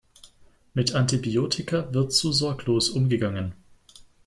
Mit Antibiotika wird zu sorglos umgegangen.